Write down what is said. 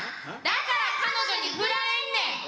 だから彼女にフラれんねん。